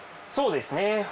そうですね。